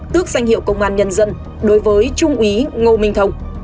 tước danh hiệu công an nhân dân đối với trung úy ngô minh thông